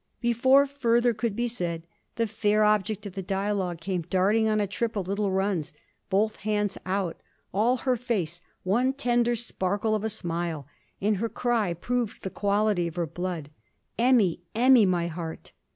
Before further could be said the fair object of the dialogue came darting on a trip of little runs, both hands out, all her face one tender sparkle of a smile; and her cry proved the quality of her blood: 'Emmy! Emmy! my heart!'